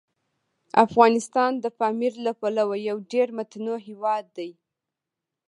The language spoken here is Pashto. افغانستان د پامیر له پلوه یو ډېر متنوع هیواد دی.